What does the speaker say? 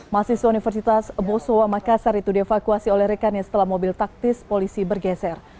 mahasiswa universitas bosowa makassar itu dievakuasi oleh rekannya setelah mobil taktis polisi bergeser